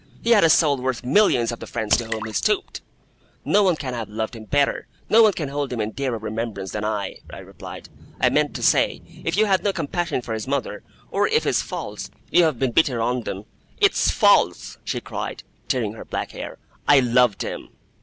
He had a soul worth millions of the friends to whom he stooped!' 'No one can have loved him better, no one can hold him in dearer remembrance than I,' I replied. 'I meant to say, if you have no compassion for his mother; or if his faults you have been bitter on them ' 'It's false,' she cried, tearing her black hair; 'I loved him!